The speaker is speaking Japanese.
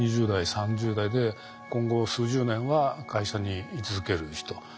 ２０代３０代で今後数十年は会社に居続ける人。